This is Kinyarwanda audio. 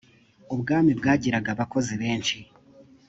ubwami bwagiraga abakozi benshi.